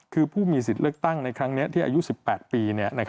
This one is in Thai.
คือผู้มีสิทธิ์เลือกตั้งในครั้งนี้ที่อายุ๑๘ปี